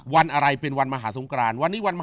วันอะไรเป็นวันมหาทรงกราน